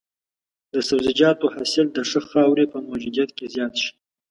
د سبزیجاتو حاصل د ښه خاورې په موجودیت کې زیات شي.